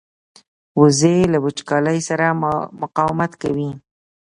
وزې له وچکالۍ سره مقاومت کوي